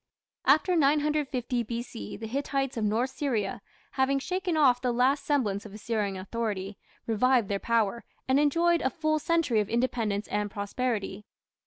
After 950 B.C. the Hittites of North Syria, having shaken off the last semblance of Assyrian authority, revived their power, and enjoyed a full century of independence and prosperity.